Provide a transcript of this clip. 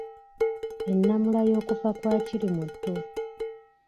Ennamula y’okufa kwa Kirimuttu.